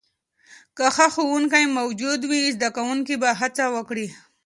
که ښه ښوونکې موجود وي، زده کوونکي به هڅه وکړي.